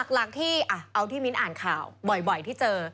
หลักที่เอาที่มิ้นอ่านข่าวบ่อยที่เจอ